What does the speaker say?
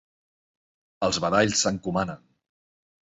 Els badalls s'encomanen.